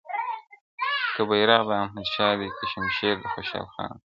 • که بیرغ د احمدشاه دی که شمشېر د خوشحال خان دی -